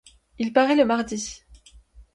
Il paraît le mardi.